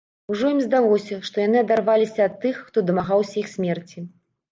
Ужо ім здалося, што яны адарваліся ад тых, хто дамагаўся іх смерці.